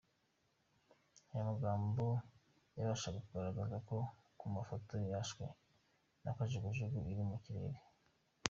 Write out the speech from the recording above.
Aya magambo yabashaga kugaragara no ku mafoto yafashwe na kajugujugu iri mu kirere.